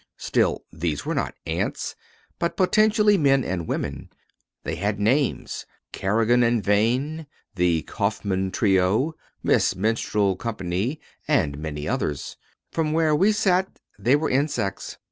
Still, these were not ants but potentially men and women. They had names Kerrigan and Vane, the Kaufman Trio, Miss Minstrel Co. and many others. From where we sat they were insects.